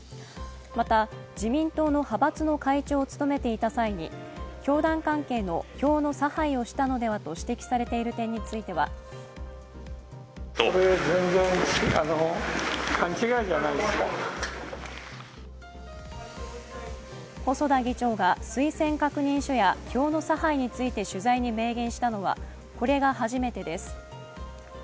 また、自民党の派閥の会長を務めていた際に、教団関係の票の差配をしたのではと指摘されている点については細田議長が推薦確認書や票の差配について取材に明言したのはこれが初めてです。